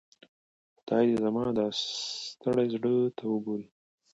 خدای دي زما دا ستړي زړۀ ته وګوري.